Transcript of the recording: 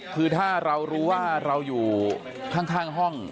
คือถ้าเรารู้ว่าเราอยู่ข้างห้อง